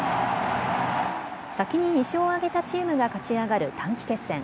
先に２勝を挙げたチームが勝ち上がる短期決戦。